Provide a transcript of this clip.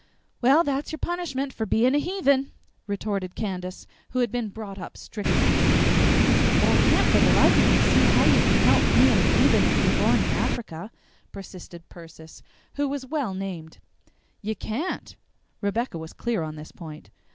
"Well, that's your punishment for being a heathen," retorted Candace, who had been brought up strictly. "But I can't for the life of me see how you can help being a heathen if you're born in Africa," persisted Persis, who was well named. "You can't." Rebecca was clear on this point.